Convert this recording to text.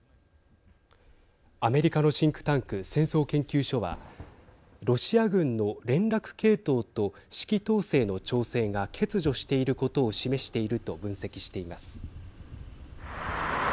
アメリカのシンクタンク戦争研究所はロシア軍の連絡系統と指揮統制の調整が欠如していることを示していると分析しています。